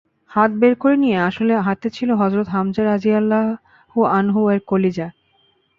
হাত বের করে নিয়ে আসলে হাতে ছিল হযরত হামযা রাযিয়াল্লাহু আনহু-এর কলিজা।